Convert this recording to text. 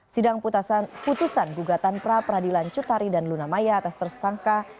sidang putusan gugatan pra peradilan cutari dan luna maya atas tersangka